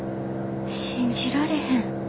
信じられへん。